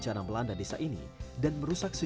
enakan di mana sekolahnya